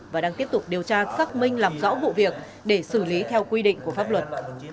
và đang tiếp tục điều tra xác minh làm rõ vụ việc để xử lý theo quy định của pháp luật